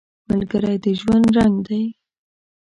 ملګری د ژوند رنګ دی